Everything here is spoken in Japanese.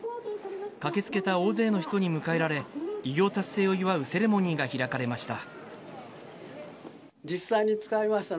駆けつけた大勢の人に迎えられ偉業達成を祝うセレモニーが開かれました。